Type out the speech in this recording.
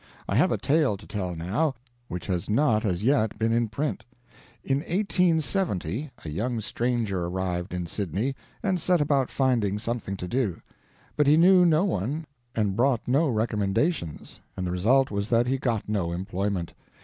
I have a tale to tell now, which has not as yet been in print. In 1870 a young stranger arrived in Sydney, and set about finding something to do; but he knew no one, and brought no recommendations, and the result was that he got no employment.